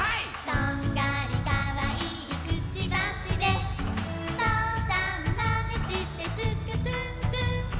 「とんがりかわいいくちばしで」「とうさんまねしてつくつんつん」